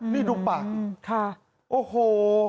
นี่ดูปากโอ้โห